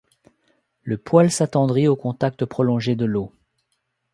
Le poil s'attendrit au contact prolongé de l'eau.